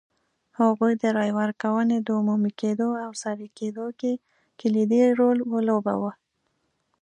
هغوی د رایې ورکونې د عمومي کېدو او سري کېدو کې کلیدي رول ولوباوه.